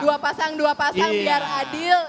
dua pasang dua pasang biar adil